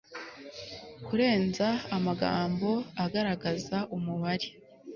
kurenza amagambo agaragaza umubare